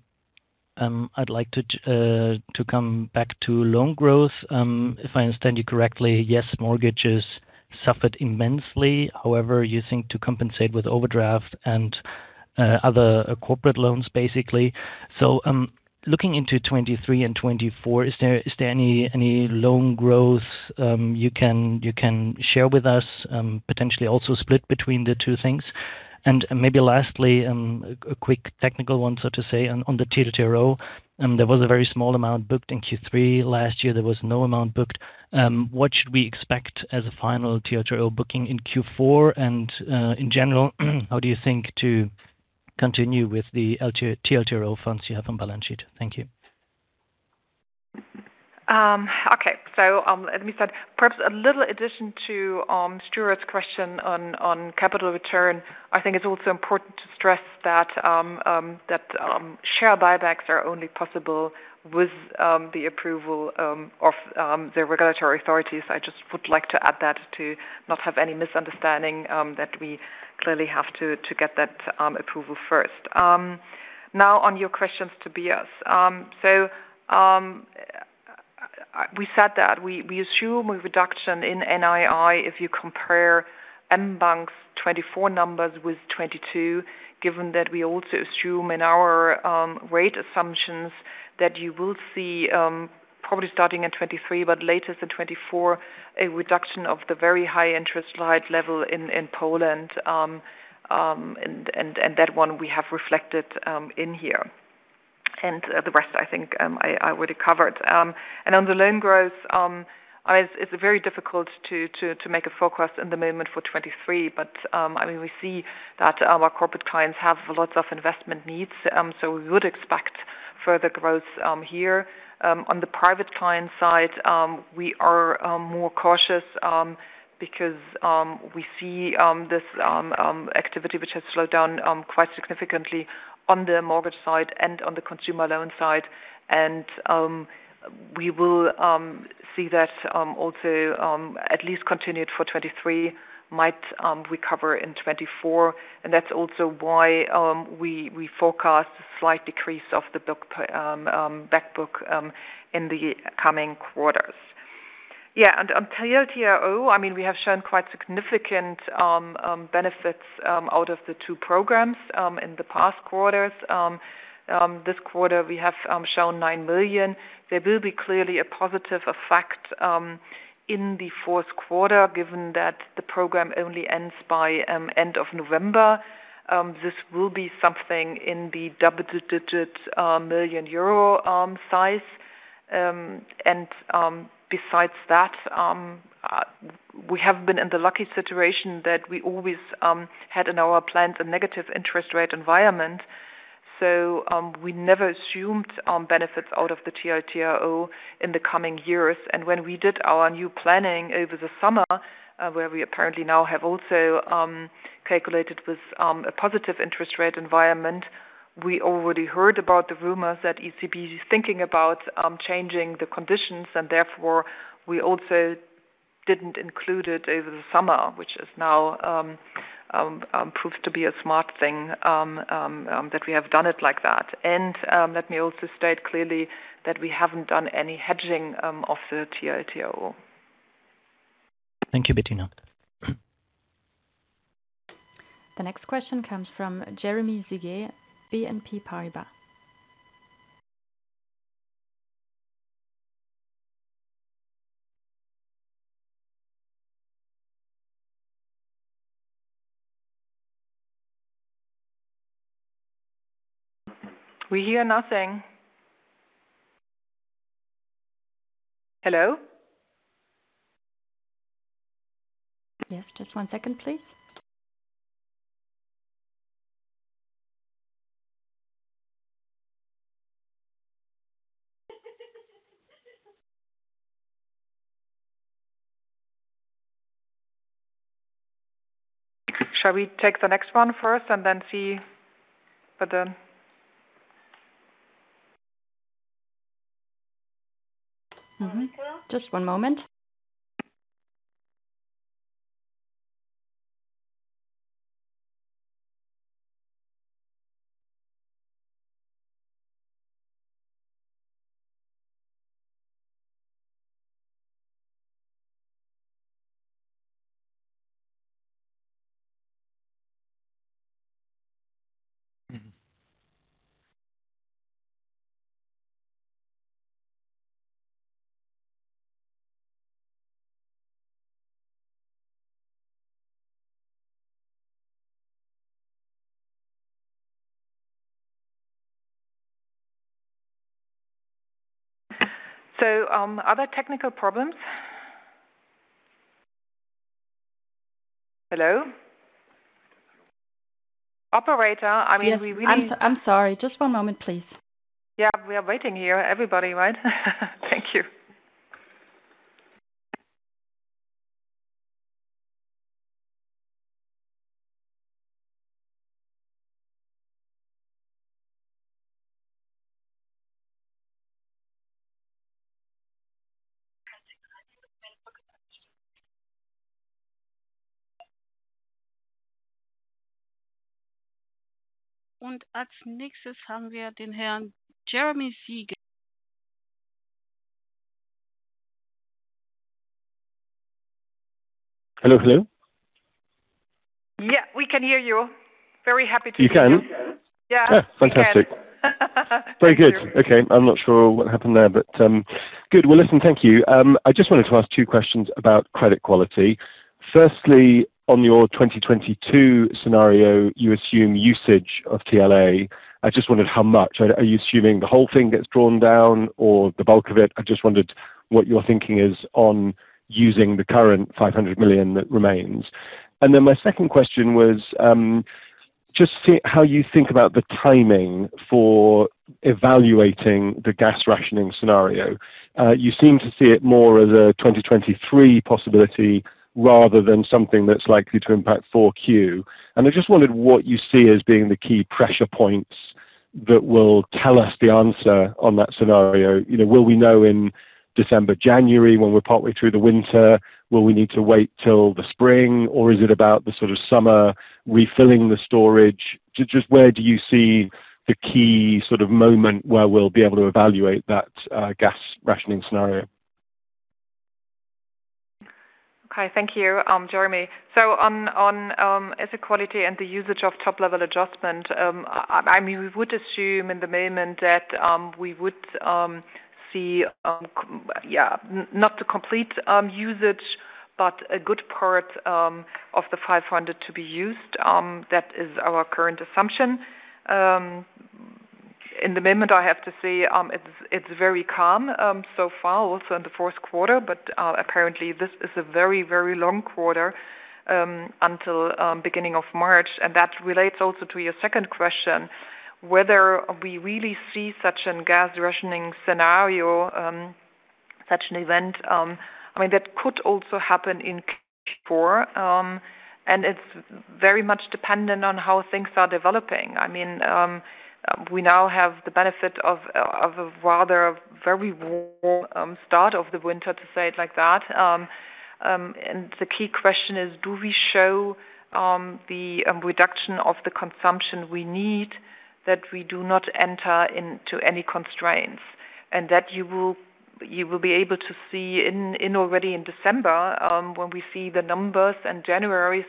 I'd like to come back to loan growth. If I understand you correctly, yes, mortgages suffered immensely. However, you think to compensate with overdraft and other corporate loans, basically. Looking into 2023 and 2024, is there any loan growth you can share with us, potentially also split between the two things? Maybe lastly, a quick technical one, so to say, on the TLTRO. There was a very small amount booked in Q3 last year. There was no amount booked. What should we expect as a final TLTRO booking in Q4? In general, how do you think to continue with the TLTRO funds you have on balance sheet? Thank you. Okay. As we said, perhaps a little addition to Stefan's question on capital return. I think it's also important to stress that share buybacks are only possible with the approval of the regulatory authorities. I just would like to add that to not have any misunderstanding that we clearly have to get that approval first. Now on your questions, Tobias. We said that we assume a reduction in NII if you compare mBank's 2024 numbers with 2022, given that we also assume in our rate assumptions that you will see probably starting in 2023, but latest in 2024, a reduction of the very high interest rate level in Poland, and that one we have reflected in here. The rest I think I already covered. On the loan growth, it's very difficult to make a forecast in the moment for 2023. We see that our Corporate Clients have lots of investment needs, so we would expect further growth here. On the private client side, we are more cautious because we see this activity which has slowed down quite significantly on the mortgage side and on the consumer loan side. We will see that also at least continued for 2023, might recover in 2024. That's also why we forecast a slight decrease of the book back book in the coming quarters. On TLTRO, I mean, we have shown quite significant benefits out of the two programs in the past quarters. This quarter we have shown 9 million. There will be clearly a positive effect in the fourth quarter, given that the program only ends by end of November. This will be something in the double-digit million EUR size. Besides that, we have been in the lucky situation that we always had in our plans a negative interest rate environment. We never assumed benefits out of the TLTRO in the coming years. When we did our new planning over the summer, where we apparently now have also calculated with a positive interest rate environment, we already heard about the rumors that ECB is thinking about changing the conditions and therefore we also didn't include it over the summer, which is now proved to be a smart thing that we have done it like that. Let me also state clearly that we haven't done any hedging of the TLTRO. Thank you, Bettina. The next question comes from Jeremy Sigee, BNP Paribas. We hear nothing. Hello? Yes. Just one second, please. Shall we take the next one first and then see, but? Mm-hmm. Just one moment. Are there technical problems? Hello? Operator, I mean. Yes. I'm sorry. Just one moment please. Yeah. We are waiting here, everybody, right? Thank you. Hello. Hello. Yeah, we can hear you. Very happy to hear. You can? Yeah. Oh, fantastic. Very good. Okay. I'm not sure what happened there, but good. Well, listen, thank you. I just wanted to ask two questions about credit quality. Firstly, on your 2022 scenario, you assume usage of TLA. I just wondered how much. Are you assuming the whole thing gets drawn down or the bulk of it? I just wondered what your thinking is on using the current 500 million that remains. Then my second question was, just see how you think about the timing for evaluating the gas rationing scenario. You seem to see it more as a 2023 possibility rather than something that's likely to impact 4Q. I just wondered what you see as being the key pressure points that will tell us the answer on that scenario. You know, will we know in December, January when we're partly through the winter? Will we need to wait till the spring or is it about the sort of summer refilling the storage? Just where do you see the key sort of moment where we'll be able to evaluate that, gas rationing scenario? Okay. Thank you, Jeremy. On asset quality and the usage of top-level adjustment, I mean, we would assume in the moment that we would see, yeah, not the complete usage, but a good part of the 500 to be used. That is our current assumption. In the moment I have to say, it's very calm so far also in the fourth quarter, but apparently this is a very, very long quarter until beginning of March. That relates also to your second question, whether we really see such a gas rationing scenario, such an event. I mean that could also happen in Q4. It's very much dependent on how things are developing. I mean, we now have the benefit of a rather very warm start of the winter, to say it like that. The key question is do we show the reduction of the consumption we need that we do not enter into any constraints? That you will be able to see in already in December, when we see the numbers in January.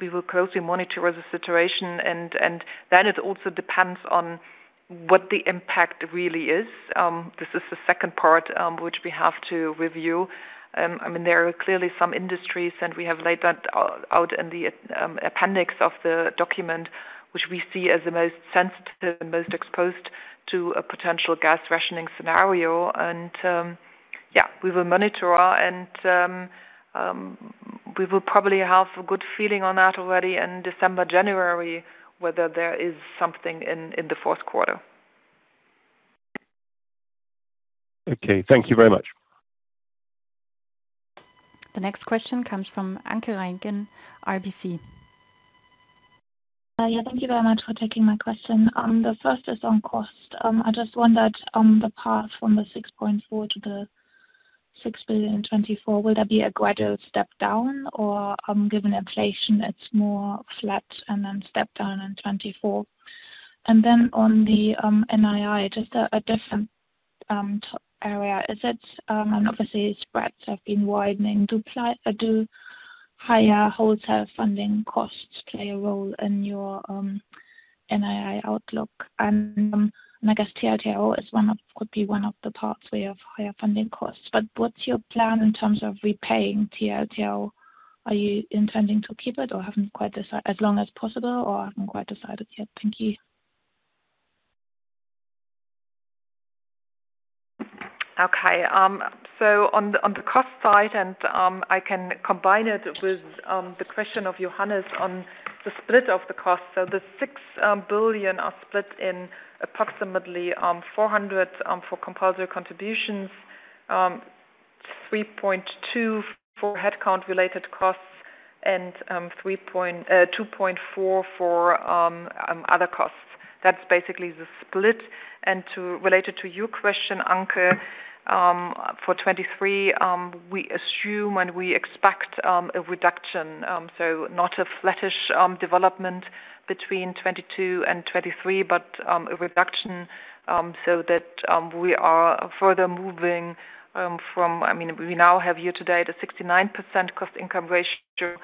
We will closely monitor the situation and then it also depends on what the impact really is. This is the second part, which we have to review. I mean there are clearly some industries, and we have laid that out in the appendix of the document, which we see as the most sensitive and most exposed to a potential gas rationing scenario. We will probably have a good feeling on that already in December, January, whether there is something in the fourth quarter. Okay, thank you very much. The next question comes from Anke Reingen, RBC. Yeah, thank you very much for taking my question. The first is on cost. I just wondered on the path from the 6.4 billion to the 6 billion in 2024, will there be a gradual step down or, given inflation it's more flat and then step down in 2024? Then on the NII, just a different area. Obviously spreads have been widening. Do higher wholesale funding costs play a role in your NII outlook? I guess TLTRO could be one of the parts where you have higher funding costs. What's your plan in terms of repaying TLTRO? Are you intending to keep it as long as possible or haven't quite decided yet? Thank you. Okay. On the cost side, I can combine it with the question of Johannes on the split of the cost. The 6 billion are split in approximately 400 million for compulsory contributions, 3.2 billion for headcount related costs and 2.4 billion for other costs. That's basically the split. Related to your question, Anke, for 2023, we assume and we expect a reduction, so not a flattish development between 2022 and 2023, but a reduction, so that we are further moving from. I mean, we now have year to date a 69% cost-income ratio.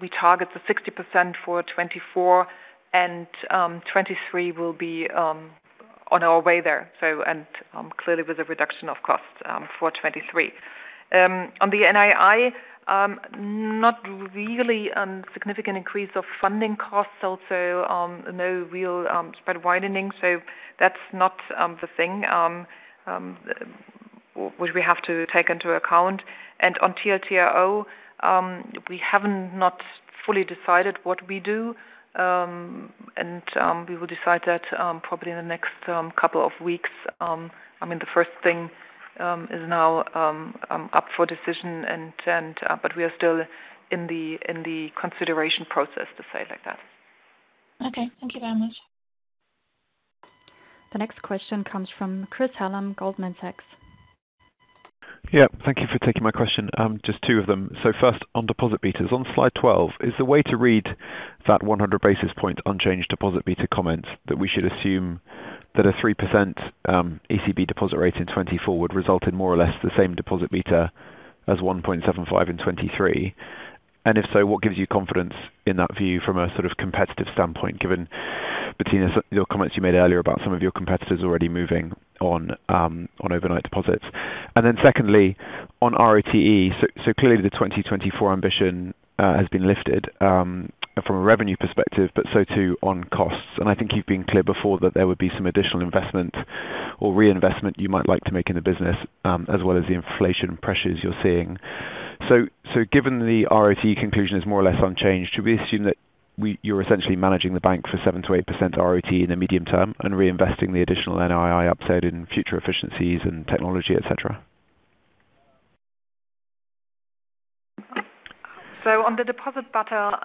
We target the 60% for 2024, and 2023 will be on our way there. Clearly with a reduction of costs for 2023. On the NII, not really significant increase of funding costs, also no real spread widening, so that's not the thing which we have to take into account. On TLTRO, we have not fully decided what we do, and we will decide that probably in the next couple of weeks. I mean, the first thing is now up for decision, but we are still in the consideration process, to say it like that. Okay, thank you very much. The next question comes from Chris Hallam, Goldman Sachs. Yeah, thank you for taking my question. Just two of them. First on deposit betas. On slide 12, is the way to read that 100 basis points unchanged deposit beta comment that we should assume that a 3% ECB deposit rate in 2024 would result in more or less the same deposit beta as 1.75 in 2023? And if so, what gives you confidence in that view from a sort of competitive standpoint, given Bettina's comments you made earlier about some of your competitors already moving on overnight deposits? Secondly, on ROTE, clearly the 2024 ambition has been lifted from a revenue perspective, but so too on costs. I think you've been clear before that there would be some additional investment or reinvestment you might like to make in the business, as well as the inflation pressures you're seeing. So given the ROTE conclusion is more or less unchanged, should we assume that you're essentially managing the bank for 7%-8% ROTE in the medium term and reinvesting the additional NII upside in future efficiencies and technology, et cetera? On the deposit beta,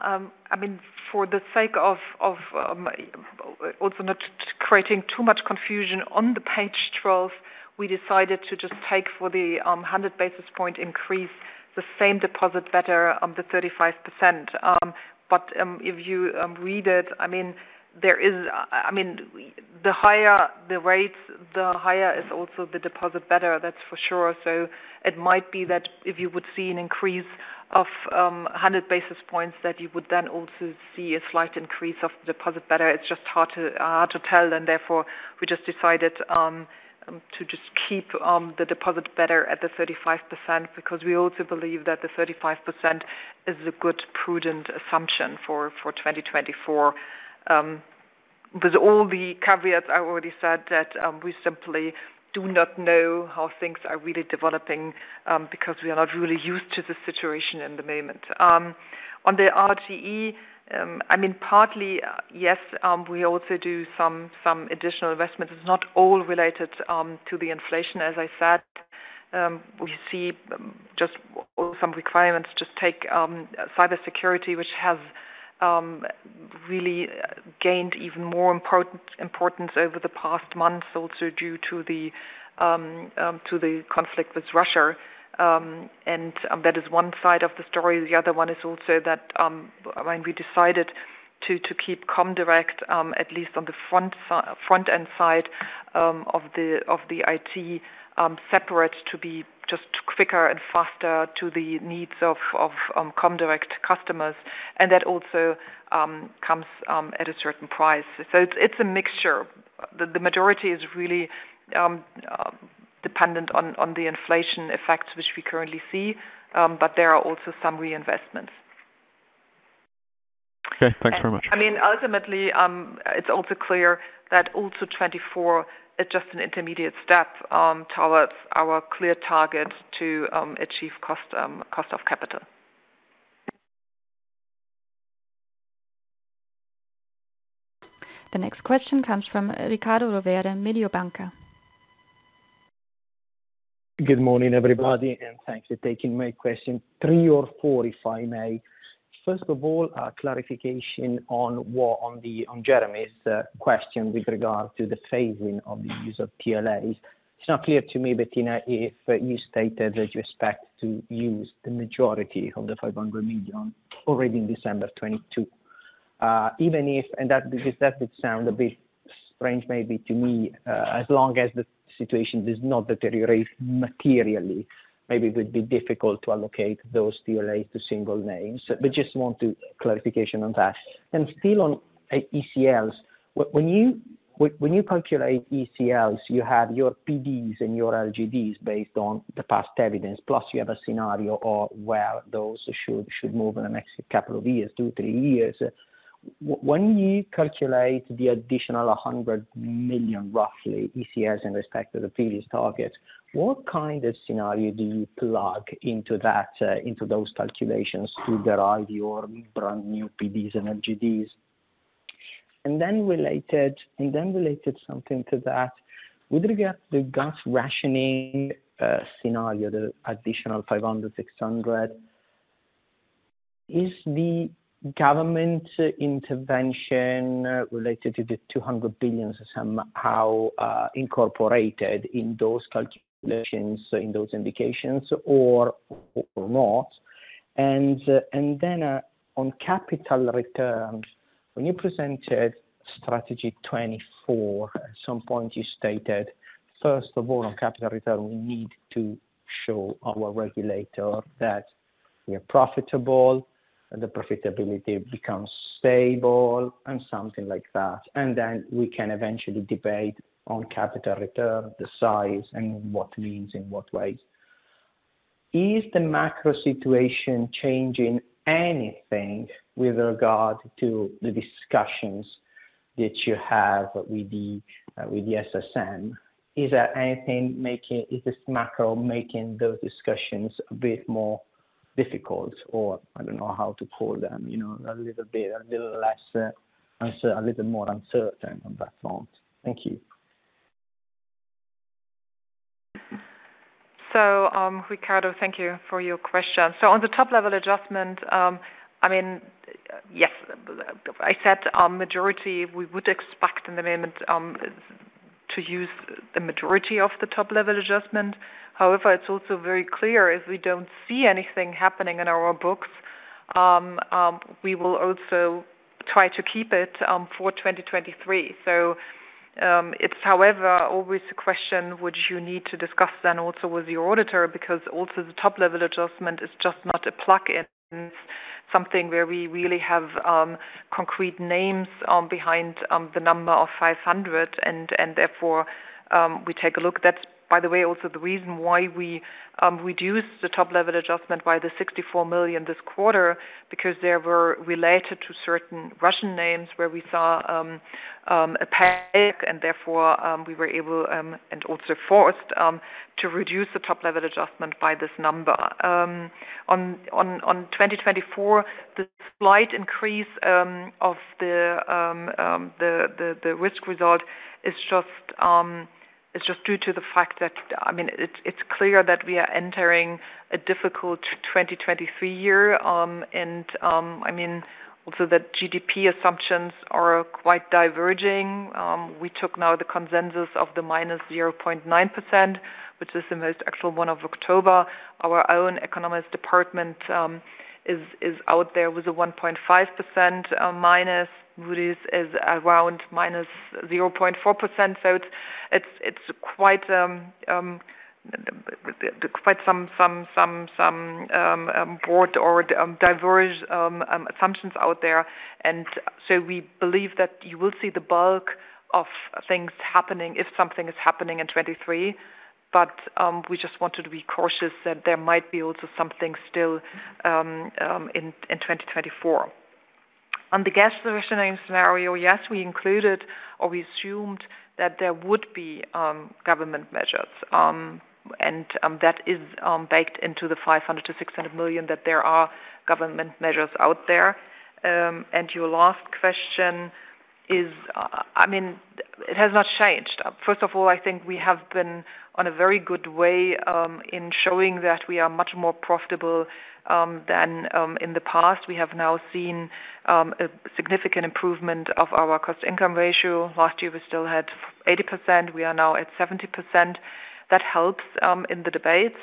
I mean, for the sake of also not creating too much confusion on the page 12, we decided to just take for the 100 basis point increase the same deposit beta, the 35%. If you read it, I mean, the higher the rates, the higher is also the deposit beta, that's for sure. It might be that if you would see an increase of a 100 basis points, that you would then also see a slight increase of deposit beta. It's just hard to tell, and therefore, we just decided to just keep the deposit beta at the 35% because we also believe that the 35% is a good, prudent assumption for 2024. With all the caveats I already said that, we simply do not know how things are really developing, because we are not really used to the situation in the moment. On the ROTE, I mean, partly, yes, we also do some additional investments. It's not all related to the inflation. As I said, we see just also some requirements. Just take cybersecurity, which has really gained even more importance over the past months also due to the conflict with Russia. And that is one side of the story. The other one is also that, when we decided to keep comdirect, at least on the front-end side, of the IT, separate to be just quicker and faster to the needs of comdirect customers, and that also comes at a certain price. It's a mixture. The majority is really dependent on the inflation effects which we currently see, but there are also some reinvestments. Okay, thanks very much. I mean, ultimately, it's also clear that 2024 is just an intermediate step towards our clear target to achieve cost of capital. The next question comes from Riccardo Rovere, Mediobanca. Good morning, everybody, and thanks for taking my question. Three or four, if I may. First of all, a clarification on Jeremy's question with regard to the phasing of the use of TLAs. It's not clear to me, Bettina, if you stated that you expect to use the majority of the 500 million already in December 2022. Even if that did sound a bit strange maybe to me, as long as the situation does not deteriorate materially, maybe it would be difficult to allocate those TLAs to single names. But just want a clarification on that. Still on ECLs, when you calculate ECLs, you have your PDs and your LGDs based on the past evidence, plus you have a scenario overlay where those should move in the next couple of years, two, three years. When you calculate the additional 100 million, roughly, ECLs in respect to the previous targets, what kind of scenario do you plug into that, into those calculations to derive your brand new PDs and LGDs? Then related something to that, with regard to the gas rationing scenario, the additional 500-600, is the government intervention related to the 200 billion somehow, incorporated in those calculations, in those indications or not? Then, on capital returns, when you presented Strategy 24, at some point you stated, first of all, on capital return, we need to show our regulator that we are profitable, and the profitability becomes stable and something like that. Then we can eventually debate on capital return, the size and what means in what ways. Is the macro situation changing anything with regard to the discussions that you have with the SSM? Is this macro making those discussions a bit more difficult? Or I don't know how to call them, you know, a little bit, a little less uncertain, a little more uncertain on that front. Thank you. Riccardo, thank you for your question. On the top-level adjustment, I mean, yes, I said our majority we would expect in the moment, to use the majority of the top-level adjustment. However, it's also very clear if we don't see anything happening in our books, we will also try to keep it, for 2023. It's however, always a question which you need to discuss then also with your auditor, because also the top-level adjustment is just not a plug-in, something where we really have, concrete names, behind, the number of 500 and therefore, we take a look. That's, by the way, also the reason why we reduced the top-level adjustment by 64 million this quarter because they were related to certain Russian names where we saw a panic, and therefore we were able and also forced to reduce the top-level adjustment by this number. On 2024, the slight increase of the risk result is just due to the fact that, I mean, it's clear that we are entering a difficult 2023 year. I mean, also the GDP assumptions are quite diverging. We took now the consensus of the -0.9%, which is the most actual one of October. Our own economist department is out there with a -1.5%. Moody's is around -0.4%. It's quite some broad or diverging assumptions out there. We believe that you will see the bulk of things happening if something is happening in 2023. We just wanted to be cautious that there might be also something still in 2024. On the gas rationing scenario, yes, we included or we assumed that there would be government measures. That is baked into the 500 million-600 million that there are government measures out there. Your last question is, I mean, it has not changed. First of all, I think we have been on a very good way in showing that we are much more profitable than in the past. We have now seen a significant improvement of our cost-income ratio. Last year, we still had 80%, we are now at 70%. That helps in the debates.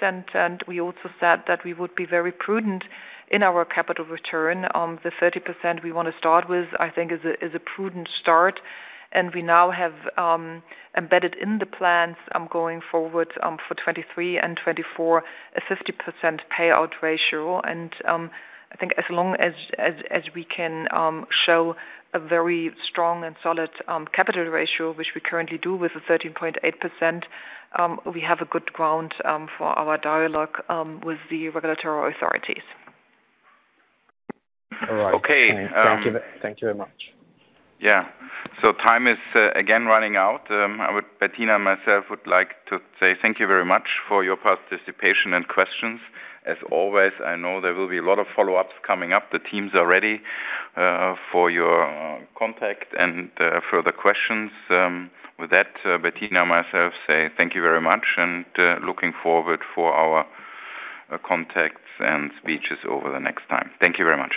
We also said that we would be very prudent in our capital return. The 30% we wanna start with, I think is a prudent start. We now have embedded in the plans going forward for 2023 and 2024, a 50% payout ratio. I think as long as we can show a very strong and solid capital ratio, which we currently do with a 13.8%, we have a good ground for our dialogue with the regulatory authorities. All right. Okay. Thank you. Thank you very much. Yeah. Time is again running out. I would, Bettina and myself would like to say thank you very much for your participation and questions. As always, I know there will be a lot of follow-ups coming up. The teams are ready for your contact and further questions. With that, Bettina and myself say thank you very much and looking forward for our contacts and speeches over the next time. Thank you very much.